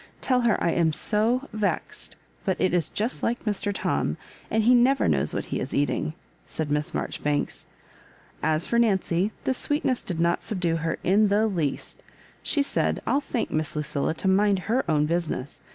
Tell her I am so vexed, but it is just like Mr. Tom ; and he never knows wha he is eating," said Miss Marjoribanks. As for Nancy, this sweetness did not subdue her in the least. She said, " I'll thank Miss Lucilla to mind her own business.